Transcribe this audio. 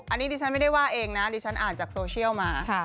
อันนี้ดิฉันไม่ได้ว่าเองนะดิฉันอ่านจากโซเชียลมา